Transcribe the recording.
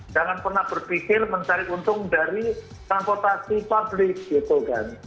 jangan pernah berpikir mencari untung dari transportasi publik gitu kan